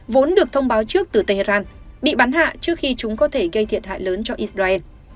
vốn được thông báo trước từ tehran bị bắn hạ trước khi chúng có thể gây thiệt hại lớn cho israel